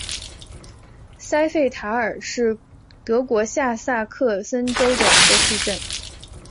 塞费塔尔是德国下萨克森州的一个市镇。